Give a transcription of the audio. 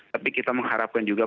tapi kita mengharapkan juga